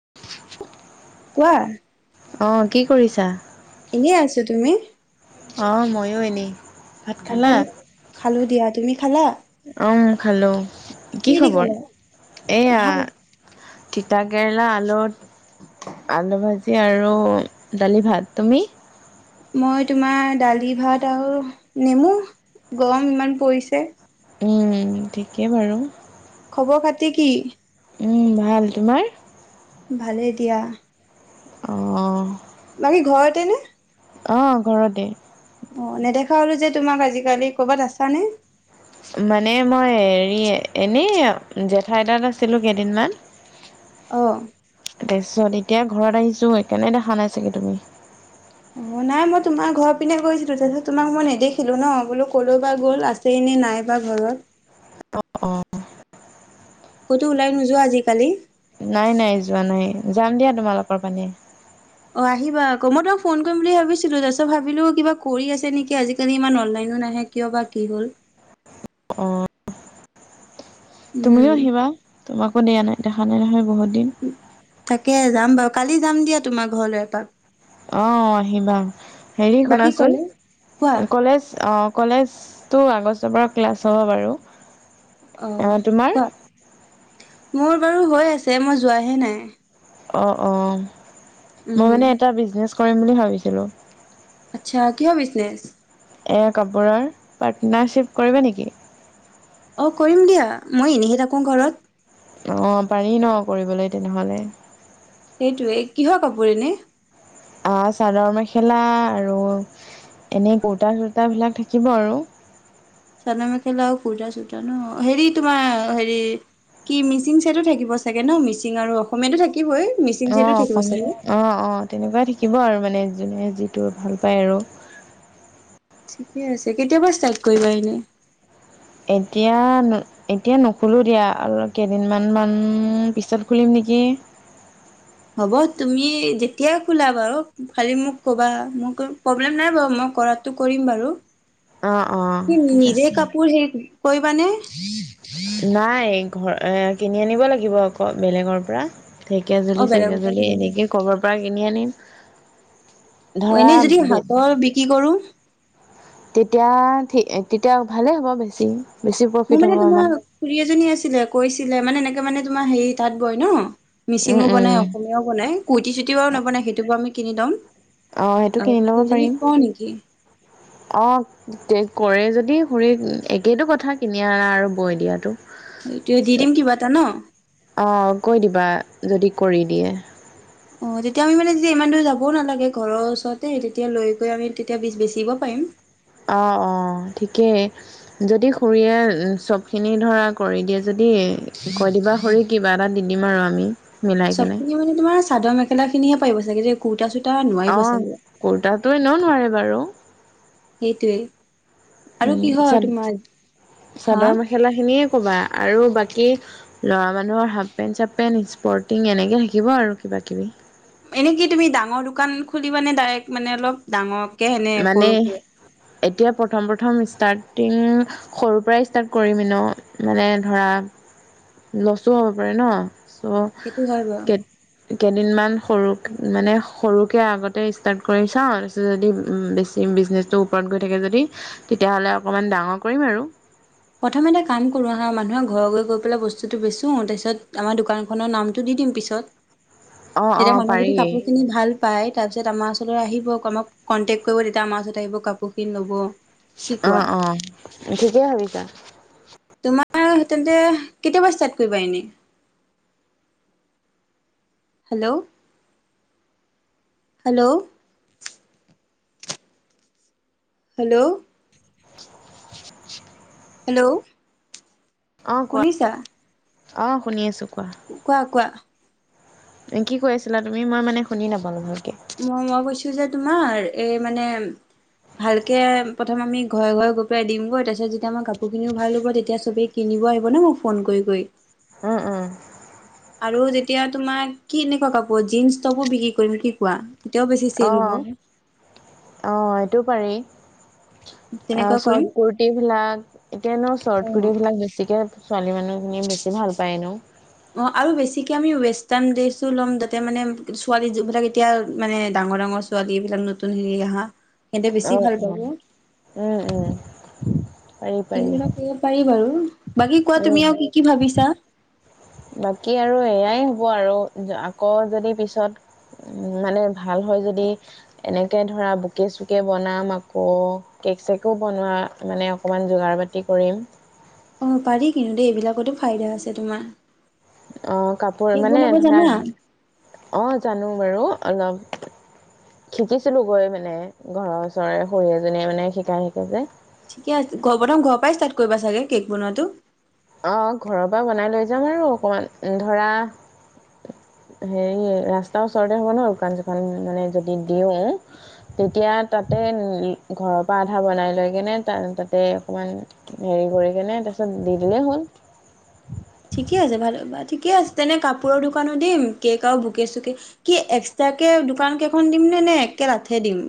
[inaudible] কোৱা! অঁ কি কৰিছা? এনেই আছো। তুমি? অঁ ময়ো এনেই। ভাত পানী খালোঁ দিয়া। তুমি খালা? উম খালো। কি দি খবৰ? খালা এইয়া ভাল তিতাকেৰেলা, আলু, আলু ভাজি আৰু দালি ভাত। তুমি? মই তোমাৰ দালি ভাত আৰু নেমু গৰম ইমান পৰিছে। উম, ঠিকেই বাৰু! খবৰ-খাতি কি? উম ভাল। তোমাৰ? ভালেই দিয়া। অ'! বাকী ঘৰতে নে? অ' ঘৰতে। অঁ নেদেখা হ'লো যে তোমাক আজিকালি। ক'ৰবাত আছানে? মানে মই হেৰি এনেই জেঠাই তাত আছিলোঁ কেইদিনমান। [inaudible] অ',। তাৰিছত এতিয়া ঘৰত আহিছো, এইকাণে দেখা নাই চাগে তুমি। মই নাই মই তোমাৰ ঘৰ পিনে গৈছিলোঁ। তাৰপিছত তোমাক মই নেদেখিলো ন' বোলোঁ ক'লৈ বা গ'ল আ আছেইনে নাই বা ঘৰত অ', অ' ক'তো ওলাই নোযোৱা আজিকালি? নাই নাই, যোৱা নাই। যাম দিয়া তোমালোকৰ পিনে। অ আহিবা আকৌ মই তোমাক ফোন কৰিম অ' আহিবা আকৌ। মই তোমাক ফোন কৰিম অ' আহিবা আকৌ। মই তোমাক ফোন কৰিম বুলি ভাবিছিলোঁ। তাৰপিছত ভাবিলোঁ কিবা কৰি আছে নেকি আজিকালি ইমান আনলাইনো নাহে। কিয় বা কি হ'ল'? অ' তুমিও উম আহিবা। তোমাক একো দিয়া নাই, দেখা নাই নহয় বহুত দিন। তাকে, যাম বাও। কালি যাম দিয়া তোমাৰ ঘৰলৈ এপাক। অ' আহিবা। হেৰি বাকী শুনাচোন, কলেজ কোৱা ক'লেজ অ' কলেজটো আগষ্টৰ পৰা ক্লাছ হ'ব বাৰু। অ' কোৱা। মোৰ বাৰু হৈ আছে, মই যোৱাহে নাই। অ', অ'। মই উম মানে এটা বিজনেছ কৰিম বুলি ভাবিছিলোঁ। আচ্ছা, কিহৰ বিজনেচ? এ কাপোৰৰ। পাৰ্টনাৰশ্বিপ কৰিবা নেকি? অ', কৰিম দিয়া। মই এনেইহে থাকোঁ ঘৰত। অ' পাৰি ন' কৰিবলৈ তেনেহলে। সেইটোৱে। কিহৰ কাপোৰ এনে? আ চাদৰ-মেখেলা আৰু এনেই কুৰ্তা চুৰ্তাবিলাক থাকিব আৰু। চাদৰ-মেখেলা আও কুৰ্তা-চুৰ্তা ন', হেৰি তোমাৰ হেৰি কি মিচিং চেটো থাকিব চাগে ন'? মিচিং আৰু অসমীয়াতো থাকিবই। অ মিচিং ছেটো থাকিব চাগে! অসমীয়া অ অ তেনেকুৱাই থাকিব আৰু মানে জোনে যিটো ভাল পায় আৰু। ঠিকে আছে। কেতিয়া পা ষ্টাৰ্ট কৰিবা এনে? এতিয়া এতিয়া নোখোলোঁ দিয়া আৰু কেইদিনমান মান পিছত খুলিম নেকি? হ'ব তুমি যেতিয়াই খোলা বাৰু, খালি মোক ক'বা। মই কৰিম, প্ৰব্লেম নাই বাৰু মই কৰাত। টো কৰিম বাৰু অ' অ' কি ঠিক নিজে আছে। কাপোৰ হেৰি কৰিবানে নাই ঘৰ, এ কিনি আনিব লাগিব আকৌ বেলেগৰ পৰা ঢেকিয়া জুলি অ চেকিয়া বেলেগৰ পৰা জুলি কিনিবা এনেকে ক'ৰবা পৰা কিনি আনিম। ধৰা এনেই যদি হাতৰ বিক্ৰী কৰোঁ তেতিয়া ঠি এ তেতিয়া ভালেই হ'ব বেছি। বেছি প্ৰফিট মোৰ মানে হ'ব আমাৰ। তোমাৰ খুৰী এজনী আছিলে কৈছিলে মানে, এনেকে মানে তোমাৰ হেৰি তাঁত বয় ন'। উম, মিচিঙো বনাই উম, অসমীয়াও বনাই। কুইটি চুইটিও বাও নবনায়। সেইটো বাৰু আমি কিনি ল'ম। অ', সেইটো আৰু কিনি ল'ব পাৰিম তুজনীক কও নে কি? অ' কৰে যদি খুৰিক একেইটো কথা কিনি অনা আৰু বৈ দিয়াটো। এইটোৱে। দি দিম কিবা এটা ন'! অ', কৈ দিবা, যদি কৰি দিয়ে। অ' তেতিয়া আমি মানে যে ইমান দূৰ যাবও নালাগে। ঘৰৰ ওচৰতে তেতিয়া লৈ গৈ আমি তেতিয়া বিছ-বেচিব পাৰিম। অ', অ', ঠিকেই। যদি খুৰীয়ে চবখিনি ধৰা কৰি দিয়ে যদি কৈ দিবা খুৰীক। কিবা এটা দি দিম আৰু আমি। মিলাই কেনে। চবখিনি মানে তোমাৰ চাদৰ মেখেলাখিনিহে পাৰিব চাগৈ দে কুটা, চুটা অ, কুৰ্তাতোও এনেও নোৱাৰে বাৰু। সেইটোৱেই, আৰু উম, কিহৰ তোমাৰ, হা? খেলা খিনিয়ে ক'বা আৰু বাকী ল'ৰা মানুহৰ হাফ পেণ্ট, চাফ পেণ্ট, স্পৰ্টিং এনেকে থাকিব আৰু কিবাকিবি। এনে কি তুমি ডাঙৰ দোকান খুলিবানে ডাইৰেক্ট? মানে অলপ ডাঙৰ মানেহ, এতিয়া প্ৰথম- প্ৰথম ষ্টাৰ্টিং সৰুৰ পৰাই ষ্টাৰ্ট কৰিমে ন। মানে ধৰা লচো হ'ব পাৰে ন। চ' সেইটো হয় বাউ। কে কেইদিনমান সৰুক মানে সৰুকে আগতে ষ্টাৰ্ট কৰি চাওঁ, তাৰপিছত যদি উম, বেছি বিজনেজটো ওপৰত গৈ থাকে যদি, তেতিয়াহ'লে অকমান ডাঙৰ কৰিম আৰু। প্ৰথমে এটা কাম কৰোঁ আঁহা, মানুহৰ ঘৰে- ঘৰে গৈ পেলাই বস্তুটো বেচোঁ, তাৰপিছত আমাৰ দোকানখনৰ নামটো দি দিম পিছত। [inaudible] তেতিয়া, অ', মানুহে পাৰি যদি কাপোৰ খিনি ভাল পাই তাৰপিছত আমাৰ ওচৰলৈ আহিব, ক আমাক কনটেক্ট কৰিব, তেতিয়া আমাৰ ওচৰত আহিব, কাপোৰ খিনি ল'ব। কি অ, কোৱা অ ঠিকেই ভাবিছা। তোমাৰ হে তেন্তে কেতিয়াপৰা ষ্টাৰ্ট কৰিবা এনেই? হেল্ল'। হেল্ল'। হেল্ল'। হেল্ল'। অ'কোৱা, শুনিছা অ'শুনি আছোঁ কোৱা। কোৱা- কোৱা। এ, কি কৈ আছিলা তুমি? মই মানে শুনি নাপালোঁ ভালকে। মই মই কৈছোঁ যে তোমাৰ, এই মানে ভালকে প্ৰথম আমি, ঘৰে- ঘৰে গৈ পেলাই দিওঁগৈ তাৰপিছত যে যেতিয়া আমাৰ কাপোৰখিনিও ভাল হ'ব, তেতিয়া চবেই কিনিব আহিব ন, ফোন কৰি কৰি। উম- উম। আৰু যেতিয়া তোমাক কেনেকুৱা কাপোৰ, জীন্স কাপোৰ বিক্ৰী কৰিম কি কোৱা? তেতিয়াও বেছি অ, চেল হ'ব অ, এইটোও পাৰি। আ, তেনেকুৱা চৰ্ট কৰিম কুৰ্তি ভিলাক, এতিয়া এনেও অ চৰ্ট কুৰ্তি বিলাক বেছিকে ছোৱালী মানুহখিনিয়ে বেছি ভাল পায় এনেও। অ, আৰু বেছিকে আমি ৱেষ্টাৰ্ণ ড্ৰেছো ল'ম, যাতে মানে ছোৱালীবিলাক এতিয়া মানে ডাঙৰ- ডাঙৰ ছো ছোৱালী এইবিলাক নতুন হেৰি আহা সিহঁতে বেছি ভাল অ', অ', পাব। উম, উম। পাৰি পাৰি তেনেকুৱা এটা কৰিব পাৰি বাৰু। বাকী কোৱা উম তুমি আৰু কি কি ভাবিছা? বাকী আৰু এয়াই হ'ব আৰু, য আকৌ যদি পিছত মানে ভাল হয় যদি, এনেকে ধৰা বোকে- চোকে বনাম আকৌ কেক- চেকো বনোৱা, মানে অকমান যোগাৰ পাতি কৰিম। অ, পাৰি কিন্তু, দেই এইবিলাকতো ফাইদা আছে তোমাৰ। অ, কাপোৰ কেক মানে বনাব ধৰা, জানা অ, জানো বাৰু অলপ। শিকিছিলোঁ গৈ মানে, ঘৰৰ ওচৰৰে খুড়ী এজনীয়ে মানে শিকাই থাকে যে। ঠিকে আছে, ঘ প্ৰথম ঘৰৰ পৰাই ষ্টাৰ্ট কৰিবা চাগে, কেক বনোৱাটো? অঁ ঘৰৰ পৰা বনাই লৈ যাম আৰু অকমান ধৰা হেৰি, ৰাস্তাৰ ওচৰতে হ'ব ন দোঁকান চোকান উ, মানে যদি দিওঁ। তেতিয়া তাতে, ল ঘৰৰ পৰা আধা বনাই লৈ কেনে, তা তাতে অকমান হেৰি কৰি কেনে, তাৰপিছত দি দিলেই হ'ল। ঠিকে আছে, ভালেই বা, ঠিকে আছে, তেনে কাপোৰৰ দোঁকানো দিম কেক আৰু বোকে চোকে কি এক্সট্ৰাকে দোঁকান কেইখন দিম নে, নে একেলাথে দিম?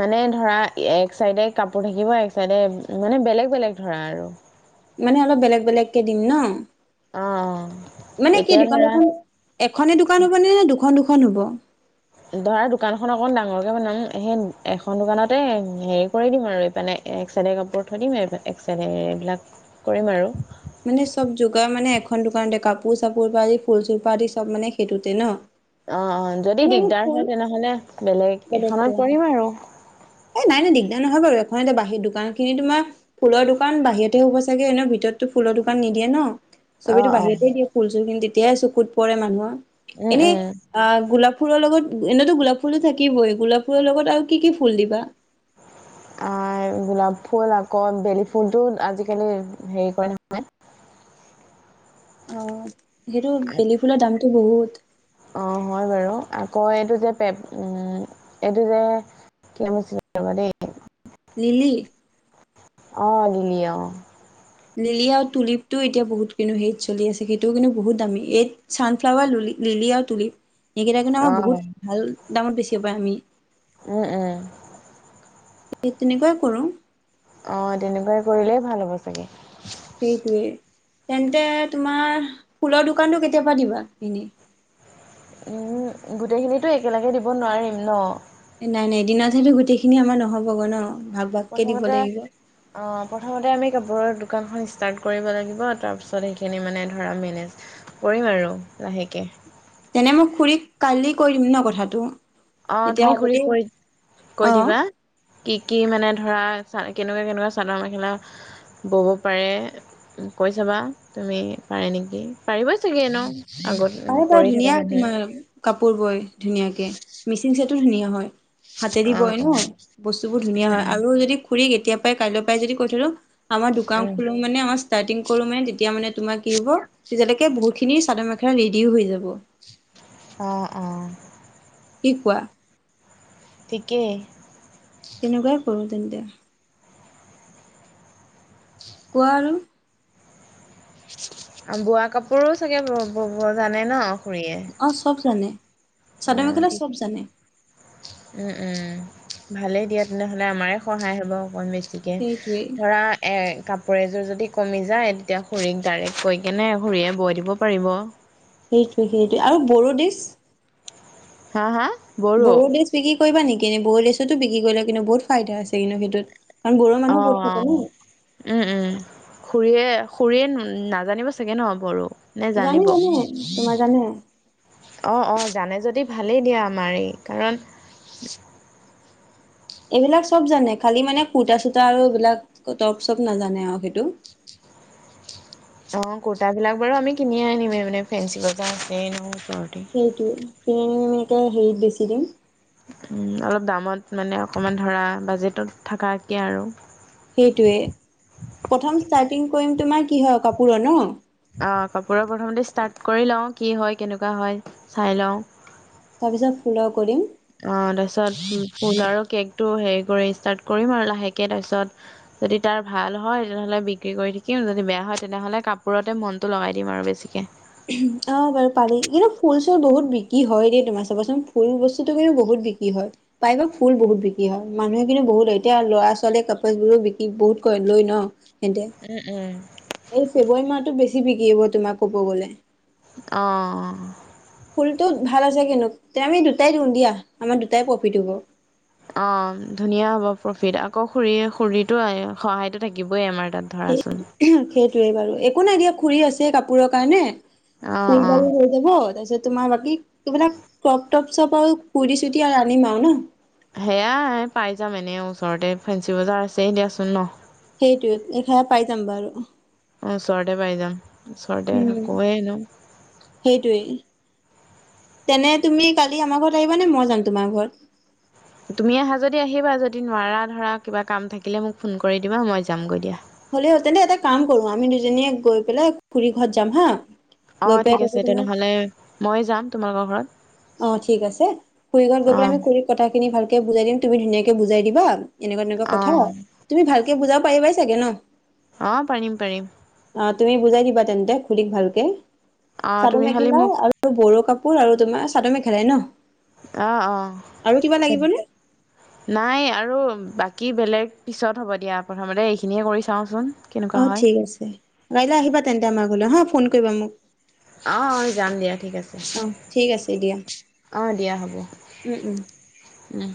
মানে ধৰা, এক চাইডে কাপোৰ থাকিব, এক চাইডে মানে, বেলেগ বেলেগ ধৰা আৰু। মানে অলপ বেলেগ বেলেগকে দিম ন? অঁ অঁ অঁ। মানে কি দোকান এখন এখনে দোকান হবনে নে দুখন দুখন হব? ধৰা দোকানখন অকণ ডাঙৰকে বনাম সেই এখন দোকানতে হেৰি কৰি দিম আৰু এইপিনে, এক চাইডে কাপোৰ থৈ দিম এহ এক চাইডে এইবিলাক কৰিম আৰু। মানে চব যোগাৰ মানে এখন দোকানতে কাপোৰ চাপোৰ পৰা দি, ফুল চুল কৰাদি আদি চব মানে সেইটোতে ন? অঁ অঁ যদি তোমাৰ এনে দিগদাৰ ফুল হয়, তেনেহ'লে বেলেগ বেলেগকে এখনত অ কৰিম আৰু। এ নাই নাই দিগদাৰ নহয় বাৰু এখন এতে বাহিৰ দোকান খিনি তোমাৰ ফুলৰ দোকান বাহিৰতে হ'ব চাগে এনে ভিতৰতো ফুলৰ দোকান নিদিয়ে ন। অ সবেটো অ বাহিৰতেই দিয়ে ফুল চুল খিনি তেতিয়াই চকুত পৰে মানুহৰ, উম এনেই উম আ গোলাপ ফুলৰ লগত এনেইতো গোলাপ ফুলো থাকিবই, গোলাপ ফুলৰ লগত আৰু কি কি ফুল দিবা? অঁ গোলাপ ফুল আকৌ বেলি ফুলটো আজিকালি হেৰি কৰে নহয় অঁ সেইটো বেলি ফুলৰ দামটো বহুত। অঁ হয় বাৰু আকৌ এইটো যে পেপ উম এইটো যে কি নাম আছিল ৰবা দেই। লিলি। অঁ লিলি অঁ। লিলি আৰু টুলিপটো এতিয়া বহুত কিন্তু হেৰিত চলি আছে, সেইটোও কিন্তু বহুত দামী, এইত চানফ্লাৱাৰ লুলি লিলি আৰু টুলিপ। এইকেইটাৰ কিন্তু আমাৰ অঁ বহুত ভাল দামত বেছিব পাৰে আমি। এই তেনেকুৱাই কৰোঁ। অঁ তেনেকুৱাই কৰিলেই ভাল হ'ব চাগে। সেইটোৱে, তেন্তে তোমাৰ ফুলৰ দোকানটো কেতিয়া পাৰা দিবা এনেই? উম গোটেই খিনিটো একেলগে দিব নোৱাৰিম ন। নাই নাই দিনত সেইতো গোটেইখিনি আমাৰ নহ'ব গৈ ন? ভাগ ভাগকে দিব প্ৰথমতে লাগিব। অঁ প্ৰথমতে আমি কাপোৰৰ দোকানখন ষ্টাৰ্ট কৰিব লাগিব, তাৰপিছত সেইখিনি মানে ধৰা মেনেজ কৰিম আৰু লাহেকে। তেনে মই খুুৰীক কালি কৈ দিম ন কথাটো? অঁ তেতিয়া তুমি খুুৰীক আগতেই কৈ অ কৈ দিবা। কি কি মানে ধৰা চা কেনেকুৱা কেনেকুৱা চাদৰ মেখেলা বব পাৰে কৈ চাবা তুমি পাৰে নেকি, পাৰিব চাগে এনেও? আগত উ পাৰে পাৰে কৰি ধুনীয়া থকা মানুহ। তোমাৰ কাপোৰ বয় ধুনীয়াকে, মিচিং ছেটো ধুনীয়া হয়। হাতেদি অঁ বই অঁ ন বস্তুবোৰ ধুনীয়া উম হয়, আৰু উম হেৰি খুুৰীক এতিয়াৰ পাই কাইলৈ পৰাই যদি কৈ থৈ দিও আমাৰ দোকান উম খোলো মানে আমাৰ ষ্টাৰ্টিং কৰো মানে তেতিয়া মানে তোমাৰ কি হব তেতিয়ালৈকে বহুত খিনি চাদৰ মে খেলা ৰেডিও হৈ যাব। অঁ অঁ। কি কোৱা ঠিকেই তেনেকুৱাই কৰো তেন্তে কোৱা আৰু বোৱা কাপোৰো চাগে ববব জানে ন খুৰীয়ে? অ চব জানে, চাদৰ অঁ মেখেলা ঠিক চব জানে। উম উম ভালেই দিয়া তেনেহ'লে আমাৰে সহায় হ'ব অকণমান বেছি কে সেইটোৱেই ধৰা এ কাপোৰ এযোৰ যদি কমি যায় তেতিয়া খুৰীক ডাইৰেক্ট কৈ কেনে খুৰীয়ে বৈ দিব পাৰিব। সেইটোৱে সেইটোৱে আৰু বড়ো ডিছ হা হা? বড়ো ড্ৰেছ বিক্ৰী কৰিবা নেকি এনেই বড়ো ড্ৰেছতো বিক্ৰী কৰিলে কিন্তু বহুত ফাইদা আছে কিন্তু সেইটোত কাৰণ বড়ো মানুহ বহুত থাকে অহ ন উম উম খুৰীয়ে খুুৰীয়ে নাজানিব চাগে নহয় বড়ো নে জানিব। জানে জানে তোমাৰ জানে অ অ জানে যদি ভালেই দিয়া আমাৰেই কাৰণ এইবিলাক চব জানে খালি মানে কুৰ্তা চূতা আৰু এইবিলাক টপ চৰ্প নাজানে আও সেইটো। অ কুৰ্তা বিলাক বাৰু আমি কিনি আনিম এই পিনে ফেঞ্চি বজাৰ আছে ন ওচৰতে। এইটোৱে কিনি [unintelligible] হেৰিত বেছি দিম। উম অলপ দামত মানে অকণমান ধৰা বাজেটত থকাকে আৰু। সেইটোয়েই প্ৰথম ষ্টাৰ্টিং কৰিম তোমাৰ কিহৰ কাপোৰৰ ন। অ কাপোৰৰ প্ৰথমতে ষ্টাৰ্ট কৰি লওঁ কি হয় কেনেকুৱা হয় চাই লওঁ। তাৰপিছত ফ'ল' কৰিম। অ তাৰপিছত পূজাৰো কেকটো হেৰি কৰি ষ্টাৰ্ট কৰিম আৰু লাহেকে তাৰপিছত যদি তাৰ ভাল হয় তেনেহ'লে বিক্ৰী কৰি থাকিম যদি বেয়া হয় তেনেহ'লে কাপোৰতে মনটো লগাই দিম আৰু বেছিকে। অ বাৰু পালি কিন্তু ফুল চুল বহুত বিক্ৰী হয় দৈ তোমাৰ চাবাচোন ফুল বস্তুটো কিন্তু বহুত বিক্ৰী হয়। প্ৰায়ভাগ ফুল বহুত বিক্ৰী হয় মানুহে কিন্তু বহুত লয় এতিয়া ল'ৰা ছোৱালীয়ে কপোলবোৰো বিক্ৰী বহুত কৰে লৈ ন। সেতে উম উম। এই ফেব্ৰুৱাৰী মাহতো বেছি বিক্ৰী হ'ব তোমাক ক'ব গলে। অহ অহ ফুলটো ভাল আছে কিন্তু তে আমি দুটাই দিওঁ দিয়া আমাৰ দুটাই প্ৰফিট হ'ব। অ ধুনীয়া হ'ব প্ৰফিট আকৌ খুৰী খুৰীটো সহায়টো থাকিবই আমাৰ তাত। ধৰাচোন। সেইটোৱে বাৰু একো নাই দিয়া খুৰি আছেই কাপোৰৰ কাৰণে অ ফুল অ বাৰু যাব তাৰপিছত তোমাৰ বাকী কিবিলাক ক্ৰপ টপ চপ আৰু কূৰ্তি চূৰ্তি আৰু আনিম আও ন। সেয়াই পাই যাম এনে ওচৰতে ফেঞ্চি বজাৰ আছে দিয়াচোন ন। সেইটোৱে এইখন পাই যাম বাৰু। ওচৰতে পাই যাম ওচৰতে উম। থাকোৱেই এনেও সেইটোৱেই তেনে তুমি কালি আমাৰ ঘৰত আহিবানে মই যাম তোমাৰ ঘৰত। তুমি আহা যদি আহিবা যদি নোৱাৰা ধৰা কিবা কাম থাকিলে মোক ফোন কৰি দিবা মই যামগৈ দিয়া। হ'লেও তেন্তে এটা কাম কৰো আমি দুজনীয়ে গৈ পেলাই খুৰী ঘৰত যাম হা। অ গৈ পেলাই ঠিক তাতে আছে তোমাক তেনেহ'লে মই যাম তোমালোকৰ ঘৰত। অ ঠিক আছে, খুৰি ঘৰত গৈ পেলাই অঁ আমি খুৰিক কথা খিনি ভালকে বুজাই দিম তুমি ধুনীয়াকে বুজাই দিবা। এনেকুৱা তেনেকুৱা কথা অঁ তুমি ভালকে বুজাব পাৰিবাই চাগে ন। অ', পাৰিম পাৰিম। অ', তুমি বুজাই দিবা তেন্তে খুৰি ভালকে অঁ চাদৰ তুমি খালি মেখেলা মোক আৰু আৰু বড়ো কাপোৰ আৰু তোমাৰ চাদৰ মেখেলাই ন'? অ', অ'। আৰু কিবা লাগিবনে? নাই আৰু বাকী বেলেগ পিছত হ'ব দিয়া, প্ৰথমতে এইখিনিয়ে কৰি চাওঁচোন। কেনেকুৱা অ', হয় ঠিক আছে, কাইলৈ আহিবা তেন্তে আমাৰ ঘৰলে হা ফোন কৰিবা মোক। অ', অ', যাম দিয়া ঠিক আছে। অ ঠিক আছে দিয়া অ', দিয়া হ'ব উম উম। উম।